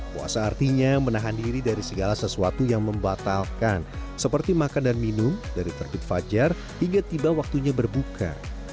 puasa artinya menahan diri dari segala sesuatu yang membatalkan seperti makan dan minum dari terbit fajar hingga tiba waktunya berbuka